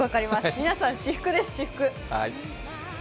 皆さん私服です、私服。